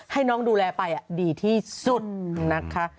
ให้น้องดูแลไปดีที่สุดนะคะ